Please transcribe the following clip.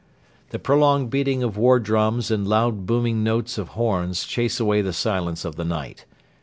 The prolonged beating of war drums and loud booming notes of horns chase away the silence of the night.